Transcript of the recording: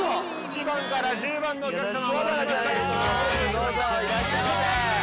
どうぞいらっしゃいませ。